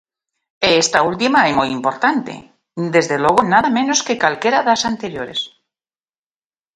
E esta última é moi importante, desde logo nada menos que calquera das anteriores.